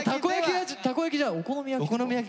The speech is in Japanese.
たこ焼きじゃないお好み焼き。